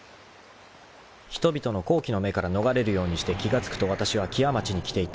［人々の好奇の目から逃れるようにして気が付くとわたしは木屋町に来ていた］